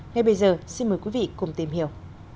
ngay bây giờ xin mời quý vị cùng tìm hiểu